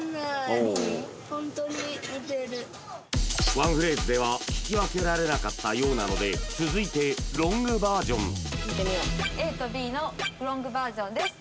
ワンフレーズでは聴き分けられなかったようなので続いてロングバージョンＡとＢのロングバージョンです